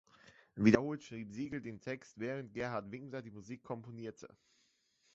Wiederholt schrieb Siegel den Text, während Gerhard Winkler die Musik komponierte.